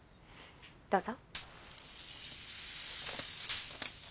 どうぞ。